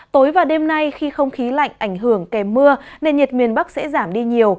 tối và đêm nay khi không khí lạnh ảnh hưởng kèm mưa nền nhiệt miền bắc sẽ giảm đi nhiều